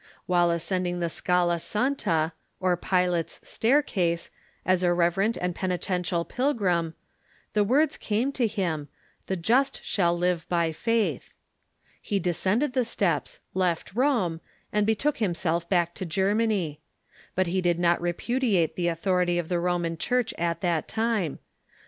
While ascending the Scala Santa, or Pilate's Staircase, as a reverent and penitential pilgrim, the words came to him, " The just shall live by faith." He descended the steps, left Rome, and betook himself back to Germany. But he did not repudiate the authority of the Roman Cliurch at that time.